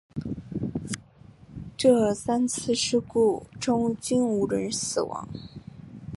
这三次事故中均无人死亡。